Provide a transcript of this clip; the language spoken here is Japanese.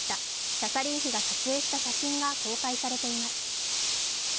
キャサリン妃が撮影した写真が公開されています。